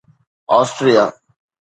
Austria